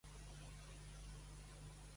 Jo m'enfunde, il·lustre, juste